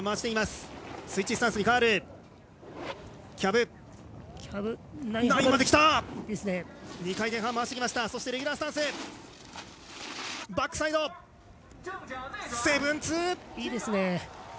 いいですね！